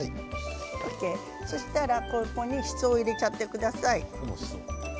ここにしそを入れちゃってください。